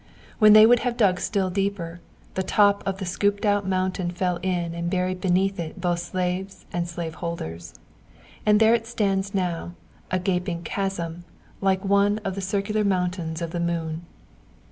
When they would have dug still deeper, the top of the scooped out mountain fell in and buried beneath it both slaves and slave holders. And there it stands now, a gaping chasm, like one of the circular Mountains of the Moon. [Footnote 104: One of the victims of the Revolution.